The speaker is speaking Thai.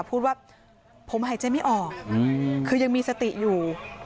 พูดว่าผมหายใจไม่ออกคือยังมีสติอยู่